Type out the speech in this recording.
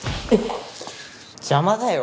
邪魔だよ。